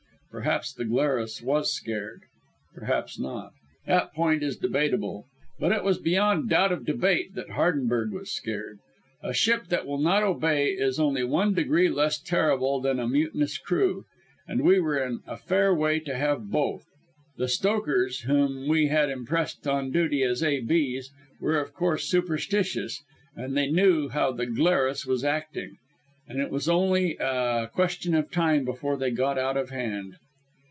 Perhaps the Glarus was scared, perhaps not; that point is debatable. But it was beyond doubt of debate that Hardenberg was scared. A ship that will not obey is only one degree less terrible than a mutinous crew. And we were in a fair way to have both. The stokers, whom we had impressed into duty as A.B.'s, were of course superstitious; and they knew how the Glarus was acting, and it was only a question of time before they got out of hand.